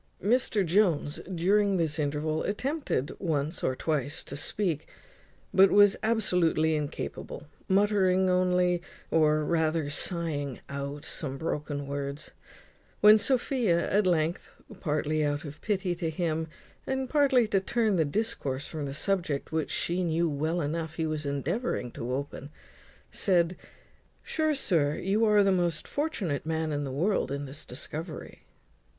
Mr Jones during this interval attempted once or twice to speak, but was absolutely incapable, muttering only, or rather sighing out, some broken words; when Sophia at length, partly out of pity to him, and partly to turn the discourse from the subject which she knew well enough he was endeavouring to open, said "Sure, sir, you are the most fortunate man in the world in this discovery."